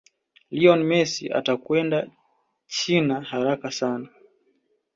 lionel Messi atakwenda china haraka sana